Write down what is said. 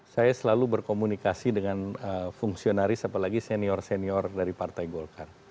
saya selalu berkomunikasi dengan fungsionaris apalagi senior senior dari partai golkar